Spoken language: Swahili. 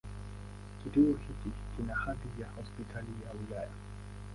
Kituo hiki kina hadhi ya Hospitali ya wilaya.